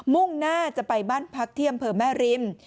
มุ่งหน้าจะไปบ้านพักที่อำเภอแม่ริม